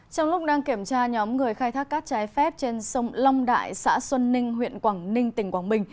trong lúc đang kiểm tra nhóm người khai thác cát trái phép trên sông long đại xã xuân ninh huyện quảng ninh tỉnh quảng bình